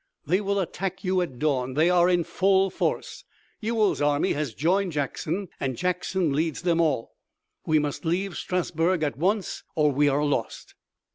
They will attack you at dawn! They are in full force! Ewell's army has joined Jackson and Jackson leads them all! We must leave Strasburg at once or we are lost!"